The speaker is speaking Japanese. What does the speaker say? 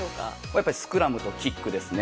やっぱりスクラムとキックですね。